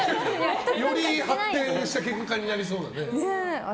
より発展したケンカになりそうだね。